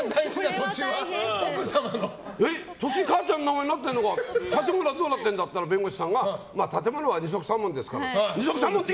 土地は母ちゃんの名前になってるのか建物はどうなってるんだって言ったら弁護士さんが建物は二束三文だって。